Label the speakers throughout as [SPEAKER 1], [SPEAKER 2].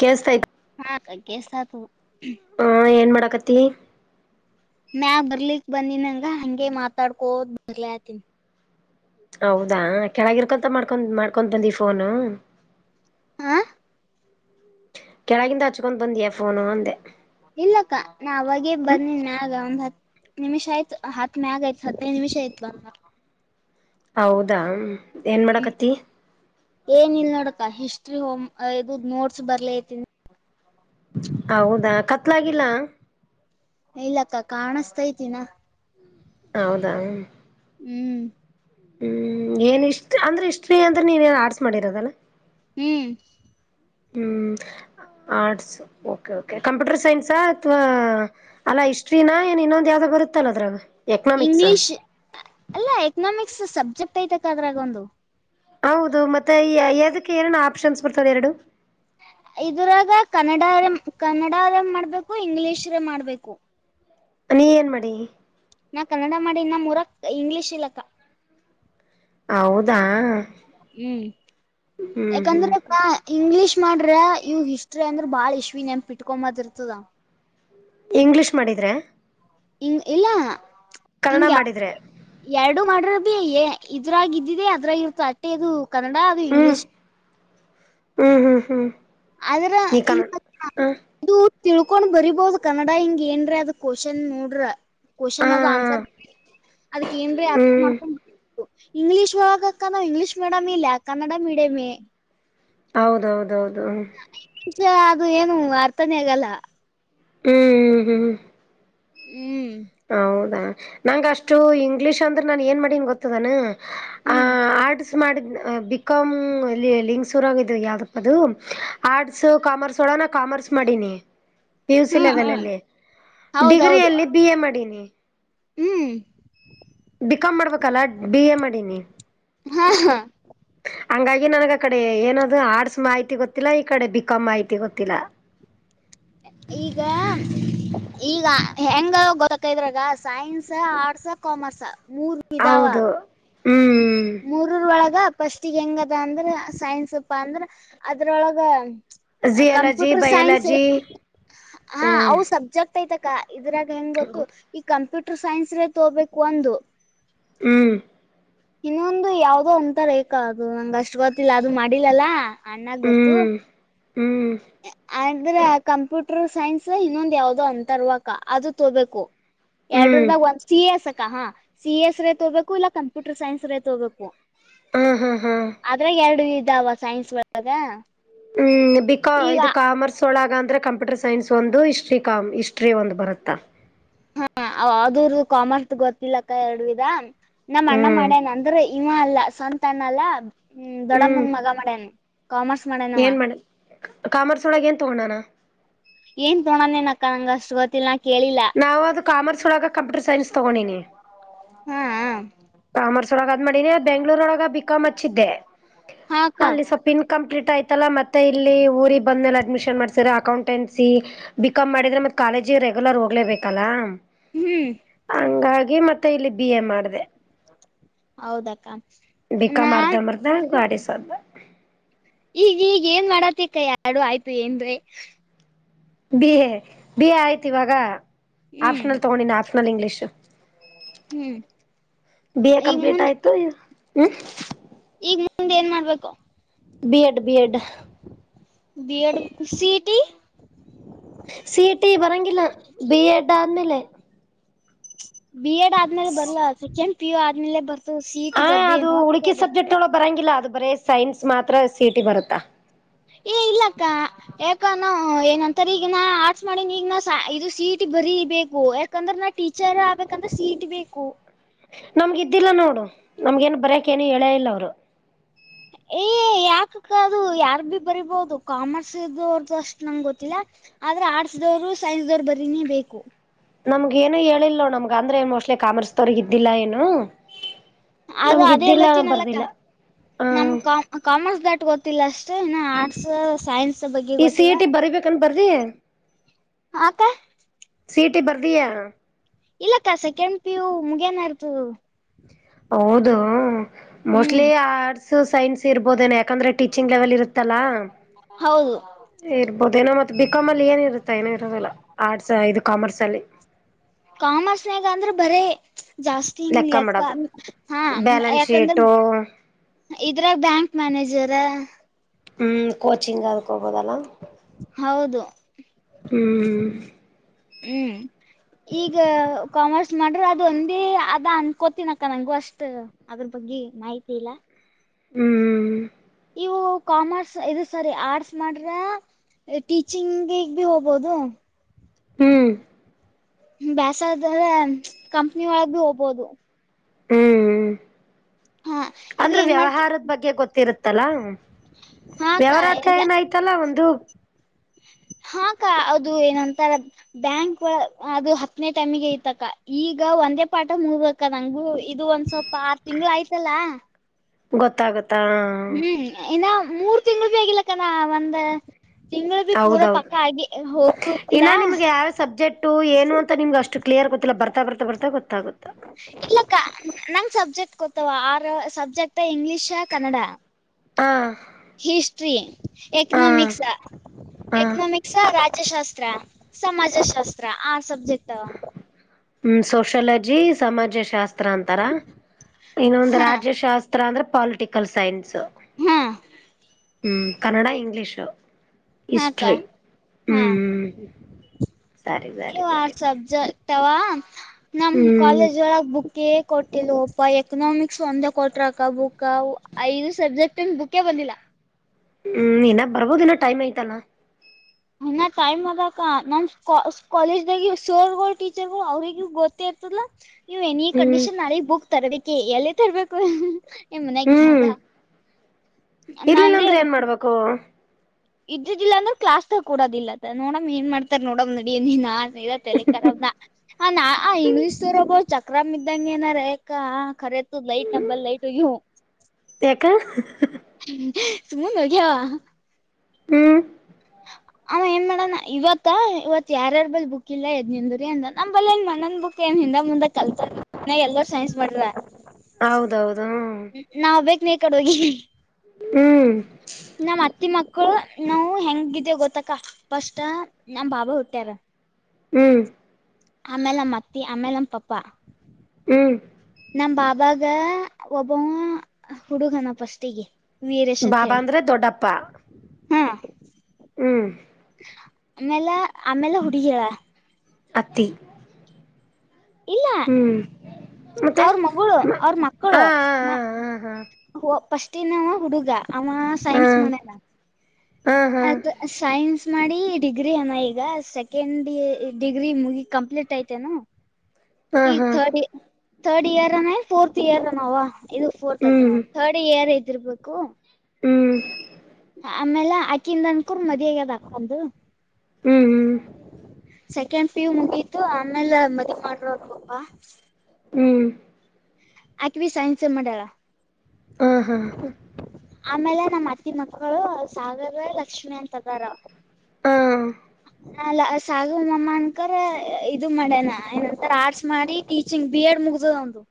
[SPEAKER 1] ಕೆಲ್ಸಾತೈತಾ?
[SPEAKER 2] ಹಾ ಅಕ್ಕ ಕೆಲ್ಸಾತದ.
[SPEAKER 1] ಹ ಏನ್ ಮಾಡಾಕತಿ
[SPEAKER 2] ಮ್ಯಾಗ ಬರ್ಲಿಕ್ ಬಂದನೀ ಹಂಗ ಹಂಗೆ ಮಾತಾಡ್ಕೋದ ಬರಿಲಾತೀನಿ.
[SPEAKER 1] ಹೌದಾ ಕೆಳಗಿರ್ಕೊಂತ ಮಾಡ್ಕೊ ಮಾಡ್ಕೊತ ಬಂದಿ ಫೋನು
[SPEAKER 2] ಹಾ
[SPEAKER 1] ಕೆಳಗಿಂದ ಹಚ್ಕೊಂಡ್ ಬಂದಿಯಾ ಫೋನು ಅಂದೆ.
[SPEAKER 2] ಇಲ್ಲಕ್ಕ ನಾ ಅವಾಗೇ ಬಂದನಿ ಮ್ಯಾಗ ಒಂದ ಹತ್ತ ನಿಮಿಷ ಆಯ್ತು ಹತ ಮ್ಯಾಗ ಆಯ್ತು ಹದಿನೈದು ನಿಮಿಷ ಆಯ್ತ್ ಬಂದ.
[SPEAKER 1] ಹೌದಾ ಏನ್ ಮಾಡಕತ್ತಿ?
[SPEAKER 2] ಏನಿಲ್ಲ ನೋಡಾಕ್ಕ ಹಿಸ್ಟ್ರಿ ಹೋಮ್ ಇದ ನೋಟ್ಸ್ ಬರ್ಲೇತಿನಿ.
[SPEAKER 1] ಹೌದಾ ಕತ್ಲಾಗಿಲ್ಲ?
[SPEAKER 2] ಇಲ್ಲಕ್ಕ ಕಾಣಸ್ತೈತಿ ಇನ್ನ.
[SPEAKER 1] ಹೌದಾ
[SPEAKER 2] ಹ್ಮ್
[SPEAKER 1] ಹ್ಮ್ ಏನ್ ಇಷ್ಟ ಅಂದ್ರೆ ಇಷ್ಟ್ರಿ ಅಂದ್ರೆ ನೀನ್ೇನ್ ಆರ್ಟ್ಸ್ ಮಾಡಿರೋದಲ್ಲ
[SPEAKER 2] ಹ್ಮ್
[SPEAKER 1] ಹ್ಮ್ ಆರ್ಟ್ಸ್ ಕಂಪ್ಯೂಟರ್ ಸೈನ್ಸ್ ಅಥವಾ ಅಲ್ಲ ಹಿಸ್ಟ್ರಿನ ನ್ ಇನ್ನೊಂದು ಯಾವ್ದ ಬರುತ್ತಲ್ಲ ಅದ್ರಾಗ ಎಕನಾಮಿಕ್ಸ್
[SPEAKER 2] ಇಂಗ್ಲಿೀಷ್ ಅಲ್ಲ ಎಕನಾಮಿಕ್ಸ್ ಸಬ್ಜೆಕ್ಟ್ ಐತಕ್ದ್ರಾಗೊಂದು
[SPEAKER 1] ಹೌದು ಮತ್ತೆ ಅದಕ್ಕೆ ಏನನ ಆಪ್ಷನ್ಸ್ ಬರ್ತದೆ ಎರಡು
[SPEAKER 2] ಇದರಾಗ ಕನ್ನಡ ಕನ್ನಡರೇ ಮಾಡ್ಬೇಕು ಇಂಗ್ಲಿೀಷ್ರೇ ಮಾಡ್ಬೇಕು
[SPEAKER 1] ನೀ ಏನ್ ಮಾಡಿ
[SPEAKER 2] ನಾ ಕನ್ನಡ ಮಾಡಿ ನ ಮುರಕ್ ಇಂಗ್ಲಿೀಷ್ ಇಲಕ್ಕ
[SPEAKER 1] ಹೌದಾ
[SPEAKER 2] ಹ್ಮ್
[SPEAKER 1] ಹ್ಮ್ ಹ್ಮ್
[SPEAKER 2] ಯಾಕಂದ್ರೆ ಇಂಗ್ಲಿಷ್ ಮಾಡ್ರೆ ಇವ್ ಹಿಸ್ಟ್ರಿ ಅಂದ್ರೆ ಬಾಳ್ ಇಶ್ವಿ ನೆನ್ಪ ಇಟ್ಕೊಂಬದ್ ಇರ್ತದ
[SPEAKER 1] ಇಂಗ್ಲೀಷ್ ಮಾಡಿದರೆೆ
[SPEAKER 2] ಹ ಇಲ್ಲ
[SPEAKER 1] ಕಣ ಮಾಡಿದ್ರೆ
[SPEAKER 2] ಎಡು ಮಾಡ್ರ ಭೀ ಇದ್ರಾಗ ಇದ್ದಿದೆ ಅದ್ರಾಗಿ ಇರುತ ಅಟ್ಟೆ ಅದು ಕನ್ನಡ ಅದು
[SPEAKER 1] ಹ್ಮ್
[SPEAKER 2] ಇಂಗ್ಲೀಷ್
[SPEAKER 1] ಹ್ಮ್ ಹ್ಮ್ ಹ್ಮ್
[SPEAKER 2] ಅದ್ರ
[SPEAKER 1] ನೀ ಕನ್ನಡ ಹ
[SPEAKER 2] ತಿಳ್ಕೊಂಡ್ ಬರಿಬೋದು ಕನ್ನಡ ಹಿಂಗ ಏನ್ರ ಅದ ಕ್ವಶನ್ ನೋಡ್ರ
[SPEAKER 1] ಹ
[SPEAKER 2] ಕ್ವಶನ್ ಅದು ಆನ್ಸರ್ ಅದಕ್ಕ ಏನ್ೀ ಅರ್ಥ
[SPEAKER 1] ಹ್ಮ್
[SPEAKER 2] ಮಾಡ್ಕೊಂಡ್ ಇಂಗ್ಲಿೀಷ್ ಒಳಗಕ್ಕ ನ ಇಂಗ್ಲಿೀಷ್ ಮೀಡಿಯಮ ಇಲ್ಲ ಕನ್ನಡ ಮೀಡಿಯಮೇ
[SPEAKER 1] ಹೌದೌದೌದು
[SPEAKER 2] ಅದು ಏನು ಅರ್ಥನ ಆಗಲ್ಲ
[SPEAKER 1] ಹ್ಮ್ ಹ್ಮ್ ಹ್ಮ್
[SPEAKER 2] ಹ್ಮ್
[SPEAKER 1] ಹೌದಾ ನಂಗ ಅಷ್ಟು ಇಂಗ್ಲಿೀಷ್ ಅಂದ್ರೆ ನಾನ್ ಏನ್ ಮಾಡನ್ ಗೊತ್ತದಾನ
[SPEAKER 2] ಹ್ಮ್
[SPEAKER 1] ಮಾಡ ಬ ಕ್ ಲಿಂಗಕ್ುರ ಯಾವ ಅ ಆರ್ಟ್ಸ್ ಕಾಮರ್ಸ್ ಒ ಾನ ಕಾಮರ್ಸ್ ಮಾಡೀನಿ ಪ ಯುಸ
[SPEAKER 2] ಹ್ಮ್
[SPEAKER 1] ಲೆವೆಲ್
[SPEAKER 2] ಹ್ಮ್
[SPEAKER 1] ಅಲ್ಲಿ
[SPEAKER 2] ಹೌದೌದು
[SPEAKER 1] ಡಿಗ್ರಿಿಯಲ್ಲಿ ಬಿ ಎ ಮಾಡೀಿನಿ
[SPEAKER 2] ಹ್ಮ್
[SPEAKER 1] ಬಿಕಾಮ್ ಮಾಡ್ಬೇಕಲ್ಲ ಬಿ ಎ ಮಾಡಿನಿ
[SPEAKER 2] ಹಾ ಹಾ
[SPEAKER 1] ಹಂಗಾಗಿ ನನ್ಗ ಅ ಕಡೆ ಏನಾದ ಆರ್ಟ್ಸ್ ಮಾಹಿತಿ ಗೊತ್ತಿಲ್ಲ ಈ ಕಡೆ ಬಿಕಾಮ್ ಮಾಹಿತಿ ಗೊತ್ತಿಲ್ಲ
[SPEAKER 2] ಈಗ ಈಗ ಹೆಂಗ ಗೊತ್ತಕ ಇದ್ರಾಗ ಸೈನ್ಸ್ ಆರ್ಟ್ಸ್ ಕಾಮರ್ಸ್ ಮೂರು ಇದಾವ
[SPEAKER 1] ಹೌದು ಹ್ಮ್
[SPEAKER 2] ಮೂರರ ಒಳಗ ಫಸ್ಟಗ್ ಹೆಂಗದ ಅಂದ್ರ ಸೈನ್ಸಪ್ಪ ಅಂದ್ರ ಅದ್ರೊಳಗ
[SPEAKER 1] ಜಿಯಾಲಜಿ
[SPEAKER 2] ಕಂಪ್ಯೂಟರ್ ಸೈನ್ಸ್
[SPEAKER 1] ಬಯಾಲಜಿ
[SPEAKER 2] ಹಾ
[SPEAKER 1] ಹ್ಮ್
[SPEAKER 2] ಅ ಸಬ್ಜೆಕ್ಟ್ ಗತಯತಕ ಇದ್ರಾಗ ಹೆಂಗ್ ಗೊತ್ತು ಈ ಕಂಪ್ಯೂಟರ್ ಸೈನ್ಸ್ೇ ತೋಬೇಕು ಒಂದು
[SPEAKER 1] ಹ್ಮ್
[SPEAKER 2] ಇನ್ನೊಂದು ಯಾವ್ದೋ ಅಂತಾರ ಕಾ ಅದು ನಂಗ ಅಷ್ಟ್ ಗೊತ್ತಿಲ್ಲ ಅದು ಮಾಡಿಲ್ಲಲ್ಲ ಅ್ಣಾಗ ಗೊತ್ತು
[SPEAKER 1] ಹ್ಮ್ ಹ್ಮ್
[SPEAKER 2] ಆದ್ರೆ ಕಂಪ್ಯೂಟರ್ ಸೈನ್ಸ್ ಇನ್ನೊಂದ ಯಾವ್ದೋ ಅಂತರ್ವಕ್ಕ ಅದು ತೋಬೇಕು ಎರಡರ
[SPEAKER 1] ಹ್ಮ್
[SPEAKER 2] ಬಾಗ ಒಂದ್ ಸಿ ಎಸ್ ಅಕ ಹಾ ಸಿ ಎಸ್ ರೈ ತ ಹೋ್ಬೇಕು ಇಲ್ಲಾ ಕಂಪ್ಯೂಟರ್ ಸೈನ್ಸ್ ರೈ ತ ಹೋ್ಬೇಕು
[SPEAKER 1] ಹಾ ಹಾ ಹಾ
[SPEAKER 2] ಆದ್ರಾಗ ಎರಡು ಇದಾವ ಸೈನ್ಸ್ ಒಳಗ
[SPEAKER 1] ಹ್ಮ್ ಬಿಕಾ
[SPEAKER 2] ಈಗ
[SPEAKER 1] ಇದು ಕಾಮರ್ಸ್ ಸೊಳಗ ಅಂದ್ರೆ ಕಂಪ್ಯೂಟರ್ ಸೈನ್ಸ್ ಒಂದು ಹ್ಟ್ರಿ ಕ ಹ್ಟ್ರಿ ಒಂದು ಬರುತ್ತಾ
[SPEAKER 2] ಹಾ ಅರು ಕಾಮರ್ಸ್ ಗೊತ್ತಿಲ್ಲಕ್ಕ ಎರಡು ವಿಧ ನಮ್ಮ್ ಅಣ್ಣ
[SPEAKER 1] ಹ್ಮ್
[SPEAKER 2] ಮಾಡ್ಯನ್ ಅಂದ್ರ ಇವ ಅಲ್ಲ ಸಂತ ಅಣ್ಣ ಅಲ್ಲ ಹ್ಮ
[SPEAKER 1] ಹ್ಮ್
[SPEAKER 2] ದೊಡ್ಡಮ್ಮನ್ ಮಗ ಮಾಡೇನು
[SPEAKER 1] ಏನ್ ಮಾಡ ಕಾಮರ್ಸೊಳಗೆ ಏನ್ ತಗೋಡಣ.
[SPEAKER 2] ಏನ್ ತೋಗೊಂಡಾನೇನ ಅಕ್ಕ ನಂಗ ಅಷ್ಟು ಗೊತ್ತಿಲ್ಲ ನ ಕೇಳಿಲ್ಲಾ.
[SPEAKER 1] ನಾವು ಅದು ಕಾಮರ್ಸ್ ಒಳಗ ಕಂಪ್ಯೂಟರ್ ಸೈನ್ಸ್ ತಗೊಂಡಿನಿ.
[SPEAKER 2] ಹಾ
[SPEAKER 1] ಕಾಮರ್ಸ್ ಒಳಗ ಮಾಡಿ ಬೆಂಗ್ಗಳೂರ ಒಳಗ ಬಿಕಾಂ ಹಚ್ಚಿದ್ದೆ
[SPEAKER 2] ಹಾ ಅಕ್ಕ
[SPEAKER 1] ಅಲ್ಲಿ ಸ್ವಲ್ಪ ಇನ್ಕಂಪ್ಲೀಟ್ ಆಯ್ತು ಮತ್ತೆ ಇಲ್ಲಿ ಊರಿಗೆಗ್ ಬಂದ ಮೇಲೆ ಅಡ್ಮಿಶನ್ ಮಾಡ್ಸಾರೆ ಅಕೌಂಟೆನ್ಸಿ ಬಿಕಾಮ್ ಮಾಡಿದ್ರೆ ಮತ್ತೆ ಕಾಲೇಜಿ ಇ ರೆಗ್ಯುಲರ್ ಹೋಗ್ಲೇಬೇಕಲ್ಲ
[SPEAKER 2] ಹ್ಮ್
[SPEAKER 1] ಹಂಗಾಗಿ ಮತ್ತೆ ಇಲ್ಲಿ ಬಿ ಎ ಮಾಡ್ದೇ.
[SPEAKER 2] ಹೌದಕ್ಕ
[SPEAKER 1] ಬಿಕಾ
[SPEAKER 2] ನಾ
[SPEAKER 1] ಮರ್ದ ಮರ್ದ ಗಾಡಿ ಸಾಲ್ಪ.
[SPEAKER 2] ಈಗ ಈಗ ಏನ್ ಮಾಡತಿಕ್ಕ ಎರಡು ಆಯ್ತು ಏನ್
[SPEAKER 1] ಬಿ ಎ ಬಿ ಎ ಆಯ್ತ ಇವಾಗ
[SPEAKER 2] ಹ್ಮ್
[SPEAKER 1] ಆಪ್ಷನಲ್ ತಗೊಂಡಿನಿ ಆಪ್ಷನಲ್ ಇಂಗ್ಲಿಷು.
[SPEAKER 2] ಹ್ಮ್
[SPEAKER 1] ಬಿ ಎ
[SPEAKER 2] ಈಗ
[SPEAKER 1] ಕಂಪ್ಲೀಟ್
[SPEAKER 2] ಮುಂದ್
[SPEAKER 1] ಆಯ್ತು ಈಗ ಹ್ಮ್
[SPEAKER 2] ಮುಂದೆ ಏನ್ ಮಾಡ್ಬೇಕು.
[SPEAKER 1] B Ed B Ed
[SPEAKER 2] B Ed CET
[SPEAKER 1] C T ಬರಂಗಿಲ್ಲ ಬಿ ಎಡ್ ಆದ್ಮೇಲೆ.
[SPEAKER 2] ಬಿ ಎಡ್ ಆದ್ಮೇಲೆ ಬರ್ಲಾ ಸೆಕೆಂಡ್ ಪಿ ಯು ಆದ್ಮೇಲೆ ಬರ್
[SPEAKER 1] ಹ ಅದು ಹಡುಕಿ ಸಬ್ಜೆಕ್ಟ್ನಳ ಬರಂಗಿಲ್ಲ ಅದು ಬರೀ ಸೈನ್ಸ್ ಮಾತ್ರ ಸಿಟಿ ಬರುತ್ತಾ.
[SPEAKER 2] ಏ ಇಲ್ಲ ಅಕ್ಕ ಯಾಕ ನಾ ಏನಂತಾರೆ ಈಗ ನ ಆರ್ಟ್ಸ್ ಮಾಡಿ ಈಗ ನ ಇದು ಸಿಇಟಿ. ಬರೀ ಬೇಕು ಯಾಕಂದ್ರ ನಾ ಟೀಚರ್ ಆಗ್ಬೇಕಂದ್ರೆ ಸೀಟ್ ಬೇಕು.
[SPEAKER 1] ನಮ್ಗ ಇದ್ದಿಲ್ಲ ನೋಡು ನಮ್ಗ ಏನ್ ಬರೆಯಕ ಏನ ಹೇಳೇ ಇಲ್ಲ ಅವ್ರು
[SPEAKER 2] ಏ ಯಾಕಕದು ಯಾರ್ ಬಿ ಬರಿಬಹುದು ಕಾಮರ್ಸ್ ಇದು ಅವ್ರ್ದು ಅಷ್ಟ್ ನಂಗ ಗೊತ್ತಿಲ್ಲ. ಆದ್ರೆ ಆರ್ಟ್ಸ್ ದವ್ರು ಸೈನ್ಸ್ ದವ್ರು ಬರೀನೇ ಬೇಕು.
[SPEAKER 1] ನಮ್ಗ ಏನು ಹೇಳಿಲ್ಲೋ ನಮ್ಗ ಅಂದ್ರೆ ಮೋಸ್ಟ್ಲಿ ಕಾಮರ್ಸ್ ದವ್ರಗ ಇದ್ದಿಲ್ಲ ಏನು.
[SPEAKER 2] ಅದು
[SPEAKER 1] ನಮ್ಗ
[SPEAKER 2] ಅದೇ
[SPEAKER 1] ಇದ್ದಿಲ್ಲ
[SPEAKER 2] ಎಲ್ಲತ್ತಿನಲ್ಲಕ್ಕ
[SPEAKER 1] ಬರ್ದಿಲ್ಲ ಹ
[SPEAKER 2] ನಮ ಕ ಕಾಮರ್ಸ್ ದಾ ಗೊತ್ತಿಲ್ಲ ಅಷ್ಟೇ ಇನ್ನು ಆರ್ಟ್ಸ್ ಸೈನ್ಸ್ ಬಗ್ಗೆ
[SPEAKER 1] ಈ ಸಿ
[SPEAKER 2] ಗೊತ್ತದ
[SPEAKER 1] ಇಟ ಬರಬೇಕನ್ ಬರ್ದಿ
[SPEAKER 2] ಹ ಅಕ್ಕ
[SPEAKER 1] ಸೀಟಿಗೆ ಬರ್ದ್ಯಾ
[SPEAKER 2] ಇಲ್ಲ ಸೆಕೆಂಡ್ ಪೀ ಯು ಮುಗಿಯನ ಇರ್ತದ
[SPEAKER 1] ಹೌದು ಮೋಸ್ಟ್ಲಿ ಆರ್ಟ್ಸ್ ಸೈನ್ಸ್ ಇರ್ಬೋದ ನ ಯಾಕಂದ್ರೆ ಟೀಚಿಂಗ್ ಲೆವೆಲ್ ಇರುತ್ ತ್ತಲ
[SPEAKER 2] ಹೌದು
[SPEAKER 1] ಇರ್ಬೋದೇನೋ ಮತ್ತೆ. ಬಿಕಾಮ್ ಅಲ್ಲಿ ಏನ ಇರುತ್ತ ಏನ ಇರೋದಲ್ಲ ಆರ್ಟ್ಸ್ ಇದು ಕಾಮರ್ಸ್ ಅಲ್ಲಿ.
[SPEAKER 2] ಕಾಮರ್ಸ್ನ್ಗ ಅಂದ್ರೆ ಬರೇ ಜಾಸ್ತಿ ಹಿಂಗ್ ಲೆಕ್ಕ ಹಾ
[SPEAKER 1] ಬ್ಯಾಲೆನ್ಸ್
[SPEAKER 2] ಯಾಕಂದ್ರೆ
[SPEAKER 1] ಶೀಟು
[SPEAKER 2] ಇದ್ರಾಗ ಬ್ಯಾಂಕ್ ಮ್ಯಾನೇಜರ
[SPEAKER 1] ಹ್ಮ್ ಕೋಚಿಂಗ್ ಅದಕ ಹಬೋದಲ್ಲ
[SPEAKER 2] ಹೌದು
[SPEAKER 1] ಹ್ಮ್
[SPEAKER 2] ಹ್ಮ್ ಈಗ ಕಾಮರ್ಸ್ ಮಾಡ್ರೆ ಅದು ಒಂದ ಅದ ಅನ್ಕೋತಿನಕ್ಕ ನಂಗಗು ಅಷ್ಟ ಅದ್ರ ಬಗ್ ಗೆ ಮಾಹತಿ ಇಲ್ಲ
[SPEAKER 1] ಹ್ಮ್
[SPEAKER 2] ನೀವು ಕಾಮರ್ಸ್ ಇದು ಸರಿ ಆರ್ಟ್ಸ್ ಮಾಡ್ರೆ ಟೀಚಿಂಗ್ಗ್ ಭ ಹೋಗ್ಬೋದು
[SPEAKER 1] ಹ್ಮ್
[SPEAKER 2] ಬ್ಯಾಸ ಇದ್ದ್ರೆ ಕಂಪ್ನಿ ಒಳಗು ಹೋಗ್ಬೋದು.
[SPEAKER 1] ಹ್ಮ್
[SPEAKER 2] ಹಾ ಇದ
[SPEAKER 1] ಅಂದ್ರೆ
[SPEAKER 2] ಏನ್ ಮಾಡ್ತಿ
[SPEAKER 1] ವ್ಯವಹಾರದ ಬಗ್ಗೆ ಗೊತ್ತಿರುತ್ತೆ. ತ್ತಲಾ
[SPEAKER 2] ಹಾಕ್ಕ
[SPEAKER 1] ಯಾವರಾದ
[SPEAKER 2] ಎಲ್ಲ
[SPEAKER 1] ಏನಾಯ್ತಲ್ಲ ಒಂದು
[SPEAKER 2] ಹಾ ಅಕ್ಕ ಅದು ಏನಂತಾರ ಬ್ಯಾಂಕ್ ಅದು ಹತ್ತನೇ ಟೈಮಿಗೆ ಇತ ಅಕ್ಕ ಈಗ ಒಂದೇ ಪಾಠ ಮುಗಬೇಕದಂಗು ಇದು ಒಂದ್ ಸ್ವಲ್ಪ ಆರ್ ತಿಂಗ್ಗಳು ಆಯ್ತಲ್ಲ
[SPEAKER 1] ಗೊತ್ತಾಗುತ್ತೆ
[SPEAKER 2] ಹ್ಮ್ ಇನ್ನ ಮೂರ್ ತಿಂಗಗಳು ಆಗಿಲ್ಲಕ್ಕನಾ ಒಂದ ತಿಂಗಳ ಬಿ ಪೂರ
[SPEAKER 1] ಹೌದೌದು
[SPEAKER 2] ಪಕ್ಕ ಆಗಿ ಹೋಗುತ್ತಿಲ್ಲ
[SPEAKER 1] ಇನ್ನ ನಿಮ್ಗೆ ಯಾವ ಸಬ್ಜೆಕ್ಟ್ ಏನು ಅಂತ ನಿಮಗೆ ಅಷ್ಟು ಕ್ಲಿಯರ್ ಗೊತ್ತಿಲ್ಲ ಬರ್
[SPEAKER 2] ಇಲ್ಲ ಅಕ್ಕ ನಂಗ ಸಬ್ಜೆಕ್ಟ ಗುತ್ತವ ಆರ ಸಬ್ಜೆಕ್ಟ ಇಂಗ್ಲಿಷ್ ಕನ್ನಡ
[SPEAKER 1] ಹಾ
[SPEAKER 2] ಹಿಸ್ಟ್ರಿ
[SPEAKER 1] ಹಾ
[SPEAKER 2] ಎಕನಾಮಿಕ್ಸ್
[SPEAKER 1] ಹಾ
[SPEAKER 2] ಎಕನಾಮಿಕ್ಸ್ ಅದು ಮೇಲೆ ಸಂಖ್ಯೆ ಶಾಸ್ತ್ರ ಸಮಾಜಶಾಸ್ತ್ರ ಆರು ಸಬ್ಜೆಕ್ಟ್
[SPEAKER 1] ಹ್ಮ ಸೋಶಾಲಜಿ ಸಮಾಜ ಶಾಸ್ತ್ರ ಅಂತಾರ ಇನ್ನೊಂದು
[SPEAKER 2] ಹಾ
[SPEAKER 1] ರಾಜ್ಯಶಾಸ್ತ್ರ ಹತ್ರ ಅಂದ್ರೆ ಪಾಲಿಟಿಕಲ್ ಸೈನ್ಸ್
[SPEAKER 2] ಹಾ
[SPEAKER 1] ಹ್ಮ್ ಕನ್ನಡ ಇಂಗ್ಲೀಷು
[SPEAKER 2] ಹಾಕ್ಕ
[SPEAKER 1] ಹಿಸ್ಟ್ರಿ ಹ್ಮ್ ಹ್ಮ
[SPEAKER 2] ಇವು ಆರು ಸಬ್ಜೆಕ್ಟ್ವಾ ನಮ್
[SPEAKER 1] ಹ್ಮ್
[SPEAKER 2] ಕಾಲೇಜ್ ಒಳಗ್ ಬುಕ್ ಕೊಟ್ಟಲ್ ಅಪ್ಪ ಎಕನಾಮಿಕ್ಸ್ ಒಂದೇ ಕೊಟ್ರಕ ಬುಕ್ ಐದು ಸಬ್ಜೆಕ್ಟ್ ಇನ್ ಬುಕೇ ಬಂದಿಲ್ಲ
[SPEAKER 1] ಹ್ಮ್ ಎನ್ ಬರ್ಬೋದ ಇನ್ನ ಟೈಮ್ ಐ್ತಲ್ಲ
[SPEAKER 2] ಇನ್ನು ಟೈಮ್ ಅದ ಅಕ್ಕ ನಮ್ ಕಾಲೇಜ್ಗ ಶೋರ್ಗಳು ಟೀಚರ್ಗಳು ಅವ್ರಿಗ ಗೊತ್ತೇ ನೀವ್ ಎನಿ
[SPEAKER 1] ಹ್ಮ್
[SPEAKER 2] ಕಂಡೀಷನ್ ನಾಳೆ ಬುಕ್ ತರ್ಬೇಕಕ್ಕೆ ಎಲ್ಲ ತರ್ಬೇಕು ಮ್ಮನೆಗ ಜದ
[SPEAKER 1] ಇರ್ಲಿಲ್ಲಾಂದ್ರೆ ಏನ್ ಮಾಡ್ಬೇಕು
[SPEAKER 2] ಇದ್ದುದಿಲ್ಲ ಅಂದ್ರ ಕ್ಲಾಸ್ ತಗ ಕಡದಿಲ್ಲ ನೋಡಮ್ ಏನ್ ಮಾಡ್ತಾರ್ ನೋಡಮ್ ನಡಡಿ ನೀಿ ನಾನ್ ಈಗ ತಲಿ ಕರಬ್ ಇಂಗ್ಲೀಷ್ ತ ರೋಗ ಚ ಕ್ರಮ್ ಇದ್ದಂಗ ಏನಾರಕ್ಕಾಖರ ನಂಬಲೇ ಲೈಟ್ ಹೋಗ್ಯ
[SPEAKER 1] ಯಾಕ
[SPEAKER 2] [unintelligible] ಸುಮ್ಮು ಹೋಗುವ
[SPEAKER 1] ಹ್ಮ್
[SPEAKER 2] ಅವ ಏನ್ ಮಾಡಣ ಇವತ್ತ ಇವತ್ ಯಾರ್ಯಾರ್ ಬಲ್ ಬುಕ್ ಇಲ್ಲ ಎದ್ ನಿಂದ್ರರಿ ಅಂದ ನಮ್ಲ್ನ್ ಮ್ ಬುಕ್ ಏನ್ ಹಿಂದ ಮುಂದಾಗ ಕಲ್ತ ಎಲ್ಲ ಸೈನ್ಸ್ ಮಾಡ್ರ
[SPEAKER 1] ಹೌದೌ ಹೌದೌ ಹ್ಮ್
[SPEAKER 2] ಇಕ್ಕಡೆ ಹೋಗೆ
[SPEAKER 1] ಹ್ಮ್
[SPEAKER 2] ನಮ್ಮ್ ಅತ್ತಿ ಮಕ್ಕಳು ನಾವು ಹೆಂಗಿದ ಗೊತ್ತ ಫಸ್ಟ್ ನಮ್ಮ ಬಾಬಾ ಹುಟ್ಟ್ಯಾರ
[SPEAKER 1] ಹ್ಮ್
[SPEAKER 2] ಆಮೇಲೆ ನಮ್ಮ ಅತ್ತಿ ಆಮೇಲೆ ನಮ್ಮ ಪಪ್ಪ
[SPEAKER 1] ಹ್ಮ್
[SPEAKER 2] ನಮ್ಮ ಬಾಬಾಗ ಒಬ್ಬ ಹುಡುಗನ ಫಸ್ಟಿಗೆ ವೀರೇಶ್ ಅಂತ
[SPEAKER 1] ಬಾಬಾ
[SPEAKER 2] ಹೇಳಿ
[SPEAKER 1] ಅಂದ್ರೆ ದೊಡ್ಡಪ್ಪ
[SPEAKER 2] ಹಾ
[SPEAKER 1] ಹ್ಮ್
[SPEAKER 2] ಆಮೇಲೆ ಹುಡುಗಿಯರು
[SPEAKER 1] ಅತ್ತಿ
[SPEAKER 2] ಇಲ್ಲ
[SPEAKER 1] ಹ್ಮ್ ಮತ್ತೆ
[SPEAKER 2] ಅವ್ರ ಮಗಗಳು ಅವ್ರ ಮಕ್ಕಳು
[SPEAKER 1] ಹಾ
[SPEAKER 2] ನಮ್
[SPEAKER 1] ಹಾ ಹಾ
[SPEAKER 2] [unintelligible] ಫಸ್ಟಿನ ಹುಡುಗ ಅವ ಸೈನ್ಸ್ ಮನನ
[SPEAKER 1] ಹಾ ಹಾ
[SPEAKER 2] ಅದು
[SPEAKER 1] ಹಾ
[SPEAKER 2] ಸೈನ್ಸ್ ಮಾಡಿ ಡಿಗ್ರಿ ಅನಾ ಈಗ ಸೆಕೆಂಡ್ ಡಿಗ್ರಿ ಮುಗಿ ಕಂಪ್ಲೀಟ್ ಐತೆೇನು ಈ
[SPEAKER 1] ಹಾ
[SPEAKER 2] ಥರ್ಡ್ ಥರ್ಡ್ ಇಯರ್ ಅನೇ ಫೋರ್ತ್ ಇಯರ್ ನಾವ ಇದು ಫೋರ್ತ್ ತಿ
[SPEAKER 1] ಹ್ಮ್
[SPEAKER 2] ನ ಥರ್ಡ್ ಇಯರ್ ಇದಿರ್ಬೇಕು
[SPEAKER 1] ಹ್ಮ್
[SPEAKER 2] ಆಮೇಲೆ ಆಕಿಂದ ಅನ್ಕೂರ್ ಮದಿಯಗ ಅದ್ ಹಾಕಂದುು.
[SPEAKER 1] ಹ್ಮ್ ಹ್ಮ್
[SPEAKER 2] ಸೆಕೆಂಡ್ ಪಿೂ ಮುಗೀತು ಆಮೇಲೆ ಮದ್ ಮಾಡ್ರೋ ಪಪಾ
[SPEAKER 1] ಹ್ಮನ್
[SPEAKER 2] ಆಕ್ವಿ ಸೈನ್ಸ ಮಾಡಾಳ
[SPEAKER 1] ಹಾ ಹಾ ಹಾ
[SPEAKER 2] ಆಮೇಲೆ ನಮ್ಮ್ ಅತ್ತಿ ಮಕ್ಕಳು ಸಾಗರ ಲಕ್ಷ್ಮಿ ಅಂತದಾರ
[SPEAKER 1] ಹಾ
[SPEAKER 2] ನ ಸಾಗು ಮಾಮ್ಮ ಅನ್ಕರ ಇದು ಮಾಡ್ಯನಾ ಏನಂತ ಆರ್ಟ್ಸ್ ಮಾಡಿ ಟೀಚಿಂಗ್ ಬಿ ಎಡ್ ಮುಕ್ ಬೂದಂತು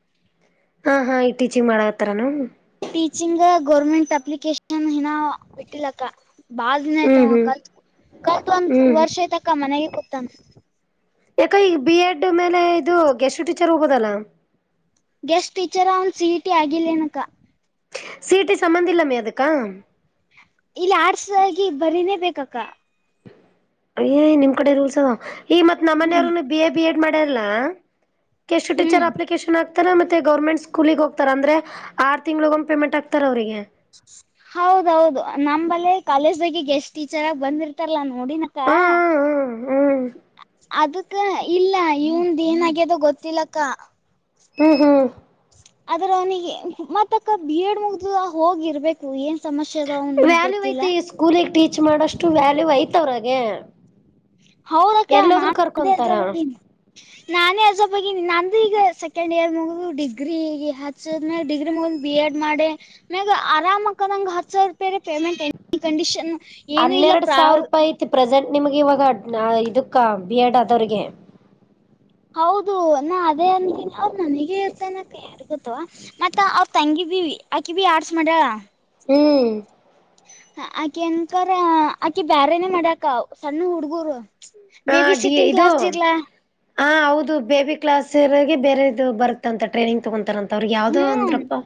[SPEAKER 1] ಹಾ ಹಾ ಈ ಟೀಚಿಂಗ್ ಮಾಡತಾರನು
[SPEAKER 2] ಟೀಚಿಂಗ್ ಗೌರ್ಮೆಂಟ್ ಅಪ್ಲಿಕೇಶನ್ ಹಿನ ಬಿಟ್ಟಲಕ್ಕ ಬಾಳ ದಿನ
[SPEAKER 1] ಹ್ಮ್
[SPEAKER 2] ಆಯ್ತವ
[SPEAKER 1] ಹ್ಮ್
[SPEAKER 2] ಕಲ್ತ್ ಕಲ್ತ್ ಒಂದ್
[SPEAKER 1] ಹ್ಮ್
[SPEAKER 2] ವರ್ಷ ಯತಕ್ಕ ಮನೆಗೆ ಕೂತನ್.
[SPEAKER 1] ಯಾಕ ಈಗ್ ಬಿ ಎಡ್ ಮೇಲೆ ಇದು ಗೆಷ್ಟು ಟೀಚರ್ ಹೋಗೋದಲ್ಲ
[SPEAKER 2] ಗೆಸ್ಟ್ ಟೀಚರ ಅವನ್ ಸಿ ಇ ಟಿ ಆಗಿಲ್ಲೇನಕ್ಕ
[SPEAKER 1] ಸಿಇಟಿ ಸಮಂದಿಲ್ಲಮಿ ಅದಕ್ಕ
[SPEAKER 2] ಇಲ್ಲ ಆರ್ಟ್ಸ್ದಗಿ ಬರೀಲೆಬೇಕಕ್ಕ
[SPEAKER 1] ಅಯ್ಯಯ್ ನಿಮ್ ಕಡೆ ರೂಲ್ಸ್ ಅದ ಈ ಮತ್
[SPEAKER 2] ಹ್ಮ್
[SPEAKER 1] ನಮ್ಮನೆಯವರುನು ಬಿ ಎ ಬಿ ಎಡ್ ಮಾಡ್ಯಾರಲ್ಲ. ಗೆಸ್ಟ್
[SPEAKER 2] ಹ್ಮ್
[SPEAKER 1] ಟೀಚರ್ ಅಪ್ಲಿಕೇಶನ್ ಹಾಕ್ ತರ ಮತ್ತೆ ಗೌರ್ಮೆಂಟ್ ಸ್ಕೂಲಿಗ್ ಹೋಗ್ತರ್ ಅಂದ್ರೆ ಆರು ತಿಂಗಳ ಓಮ್ ಪೇಮೆಂಟ್ ಆಗ್ತಾರ್ ಅವ್ರಿಗೆ.
[SPEAKER 2] ಹೌದೌದು ನಂಬಲ್ಲೆ ಕಾಲೇಜ್ ದಾಗಿ ಗೆಸ್ಟ್ ಟೀಚರ್ ಆಗಿ ಬಂದಿರ್ತಾರಲ್ಲ. ನೋಡಿನಕ್ಕ
[SPEAKER 1] ಹಾ ಹ್ಮ
[SPEAKER 2] ಅದು ಕ್ಕ ಇಲ್ಲ ಯುಂದ್ ಏನಾಗಿದ್ಯೋ ಗೊತ್ತಿಲ್ಲ ಅಕ್ಕ
[SPEAKER 1] ಹ್ಮ್ ಹ್ಮ್
[SPEAKER 2] ಆದ್ರ ಅವ್ನಿಗೆ ಮತ್ತಕ್ಕ ಬಿ ಎಡ್ ಮುಗ್ದದ ಹೋಗಿರ್ಬೇಕು ಏ
[SPEAKER 1] ವ್ಯಾಲ್ಯೂ ಐತೆ ಈ ಸ್ಕೂಲಿಗೆ ಟೀಚ್ ಮಾಡಷ್ಟು ವ್ಯಾಲ್ಯೂ ಐತ್ ಅವ್ರಾಗೆ
[SPEAKER 2] ಹೌದಕ್ಕ
[SPEAKER 1] ಎಲ್ಲೋದ್ರು
[SPEAKER 2] ನಾನು ಅದೆ
[SPEAKER 1] ಕರ್ಕೊಂತಾರ
[SPEAKER 2] ಹೇಳ್ತಾದಿನ್ ನಾನೇ ಅಜೊಬ್ಬಗಿ ನಂದು ಈಗ ಸೆಕೆಂಡ್ ಇಯರ್ ಮುಗ್ದ್ ಡಿಗ್ರಿ ಈಗ ಹಚ್ದದ್ಮೇಲ್ ಡಿಗ್ರಿ ಮುಗ್ದ್ ಬಿ ಎಡ್ ಮಾಡಿ ನಂಗ್ ಆರಾಮಕ್ಕನಂಗ್ ಹತ್ ಸಾವಿರ ರೂಪಾಯಿ ಪೇಮೆಂಟ್ ಕಂಡೀಷನ್. ಏನು ಇಲ್ಲ
[SPEAKER 1] ಹನ್ನೆರಡು ಸಾವಿರ
[SPEAKER 2] ಪ್ರಾವ
[SPEAKER 1] ರೂಪಾಯಿ ಐತಿ ಪ್ರೆಸೆಂಟ್ ನಿಮಗ್ ಇವಾಗ ಆ ಇದಕ್ಕ ಬಿ ಎಡ್ ಆದವ್ರಿಗೆ
[SPEAKER 2] ಹೌದು ನಾ ಅದೇ ಅಂತೀನಿ ಅವ್ರ್ ನನಿಗೆ ಇರ್ತನ ಯಾರ್ಗೊತ್ತು ಮತ್ತ ಅವ್ರ್ ತಂಗಿ ಬಿ ವಿ ಆಕಿವಿ ಆರ್ಟ್ಸ್ ಮಾಡ್ಯಳ
[SPEAKER 1] ಹ್ಮ್
[SPEAKER 2] ಹ ಆಕೆ ಅನ್ಕರ ಆಕಿ ಬ್ಯಾರೆನ ಮಾಡ್ಯಾಕ ಸಣ್ಣು ಹುಡ್ಗೂರು ಬೇಬಿ ಸಿಟ್ಟಿಂಗ್ ಕ್ಲಾಸ್ ಸೇರ್ಲಾ
[SPEAKER 1] ಹಾ ಹೌದು ಬೇಬಿ ಕ್ಲಾಸೋರಿಗೆ ಬೇರೆ ಇದು ಬರುತ್ತ ಅಂತ ಟ್ರೈನಿಂಗ್ ತಗೊಂತಾರಂತ್ ಅವ್ರಿಗೆ ಯಾವ್ದೋ
[SPEAKER 2] ಹ್ಮ್
[SPEAKER 1] ಅಂದ್ರಪ್ಪ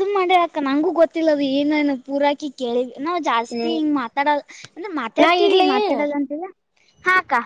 [SPEAKER 2] ಅದುನ್ ಮಾಡಿ ಅಕ ನಂಗೂ ಗೊತ್ತಿಲ್ಲ ಅದು ಏನು ಏನು ಪೂರಾಕಿ ಕೇಳಿವಿ. ನಾವ್ ಜಾಸ್ತಿ
[SPEAKER 1] ಹ್ಮ್
[SPEAKER 2] ಹಿಂಗ್ ಮಾತಾಡಲ್ ಅಂದ್ರೆ
[SPEAKER 1] ನಾ
[SPEAKER 2] ಮಾತಾಡ್ತೀವಿ
[SPEAKER 1] ಇಡ್ಲಿ
[SPEAKER 2] ಮಾತಾಡಲ್ಲ ಅಂತಲ್ಲ ಹಾ ಅಕ್ಕ